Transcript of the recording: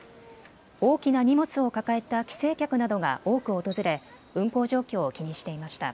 大きな荷物を抱えた帰省客などが多く訪れ運航状況を気にしていました。